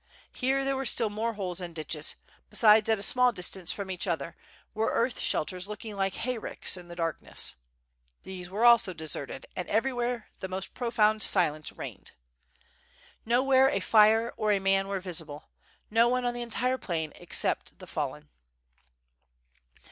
Here there were still more holes and ditches, beside.8 at a small distance from each other, were earth shelters looking like hayricks in the darkness. These were also deserted, and everywhere the most profound silence reigned. Nowhere a fire or a man were visible, no one on the entire plain except the fallen.